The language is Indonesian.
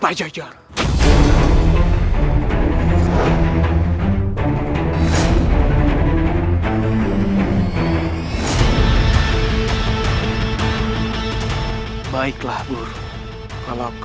ayuh cepat antarkan aku